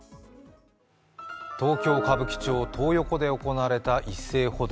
東京・歌舞伎町、トー横で行われた一斉補導。